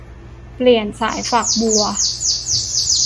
เปลี่ยนสายฝักบัว